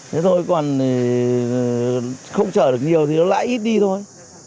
thế thôi còn không chở được nhiều thì nó lãi ít đi thôi